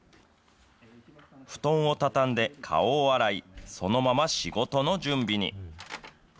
布団を畳んで、顔を洗い、そのまま仕事の準備に。